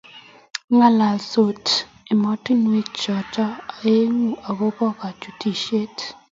Ngalalsot ematinwek choto aengu agoba kachutishiet----